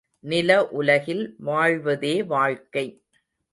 நில உலகில் வாழ்வதே வாழ்க்கை.